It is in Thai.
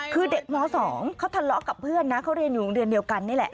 คือเด็กม๒เขาทะเลาะกับเพื่อนนะเขาเรียนอยู่โรงเรียนเดียวกันนี่แหละ